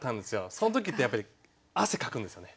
その時ってやっぱり汗かくんですよね。